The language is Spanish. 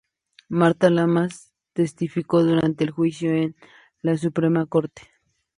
Marta Lamas testificó durante el juicio en la Suprema Corte.